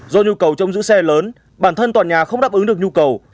do nhu cầu trong giữ xe lớn bản thân tòa nhà không đáp ứng được nhu cầu